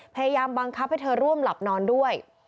พยายามบังคับให้เธอร่วมหลับนอนด้วย